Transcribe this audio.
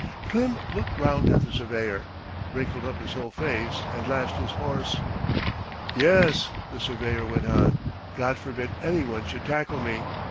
Klim looked round at the surveyor, wrinkled up his whole face, and lashed his horse. "Yes ..." the surveyor went on. "God forbid anyone should tackle me.